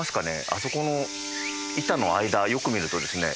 あそこの板の間よく見るとですね